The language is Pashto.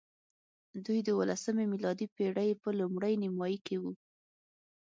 دی د اوولسمې میلادي پېړۍ په لومړۍ نیمایي کې وو.